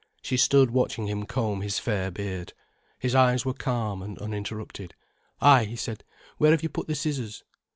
She stood watching him comb his fair beard. His eyes were calm and uninterrupted. "Ay," he said, "where have you put the scissors?"